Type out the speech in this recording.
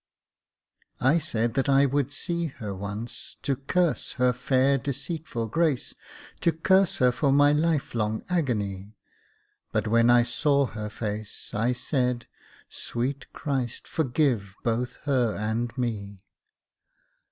I said that I would see Her once, to curse her fair, deceitful grace, To curse her for my life long agony; But when I saw her face, I said, "Sweet Christ, forgive both her and me."